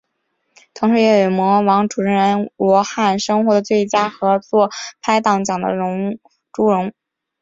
同时也与模王主持人欧汉声获得最佳合作拍档奖的殊荣。